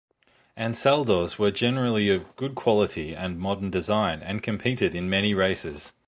Ansaldos were generally of good quality and modern design, and competed in many races.